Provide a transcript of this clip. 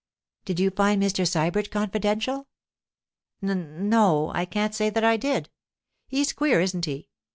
'Did you find Mr. Sybert confidential?' 'N no. I can't say that I did. He's queer, isn't he?